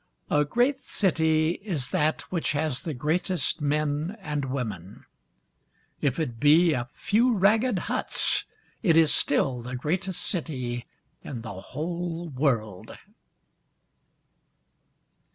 A great city is that which has the greatest men and women, If it be a few ragged huts it is still the greatest city in the whole world.